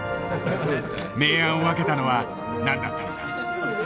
明暗を分けたのは何だったのか。